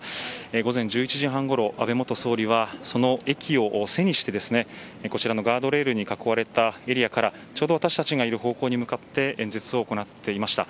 午前１１時半ごろ安倍元総理は、その駅を背にしてこちらのガードレールに囲われたエリアからちょうど私たちがいる方向に向かって演説を行っていました。